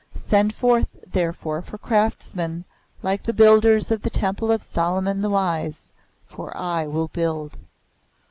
Send forth therefore for craftsmen like the builders of the Temple of Solomon the Wise; for I will build."